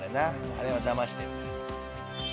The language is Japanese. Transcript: あれはだましてる。